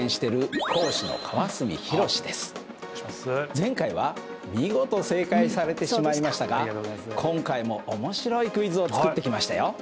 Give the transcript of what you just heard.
前回は見事正解されてしまいましたが今回も面白いクイズを作ってきましたよ！